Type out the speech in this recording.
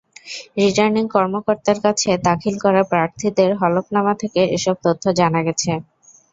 Returning কর্মকর্তার কাছে দাখিল করা প্রার্থীদের হলফনামা থেকে এসব তথ্য জানা গেছে।